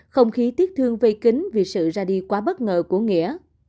không khí tiếc thương vây kính vì sự ra đi quá bất ngờ của nghĩa